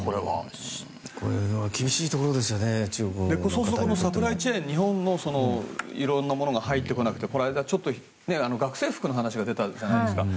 そもそもサプライチェーン、日本のいろんなものが入ってこなくてこの間、ちょっと学生服の話が出たじゃないですか。